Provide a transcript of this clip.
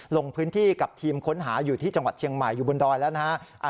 ลงพื้นที่กับทีมค้นหาอยู่ที่จังหวัดเชียงใหม่อยู่บนดอยแล้วนะฮะ